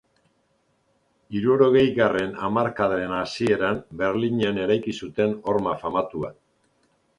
Hirurogeigarren hamarkadaren hasieran Berlinen eraiki zuten horma famatua.